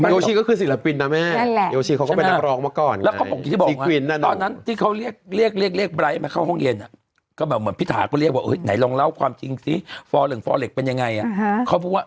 โยชิก็คือศิลปินนะแม่นั่นแหละ